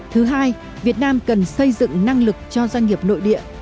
thứ hai việt nam cần xây dựng năng lực cho doanh nghiệp nội địa